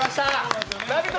「ラヴィット！」